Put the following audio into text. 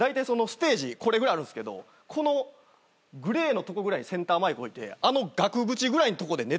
これぐらいあるんすけどこのグレーのとこぐらいにセンターマイク置いてあの額縁ぐらいんとこでネタやってて。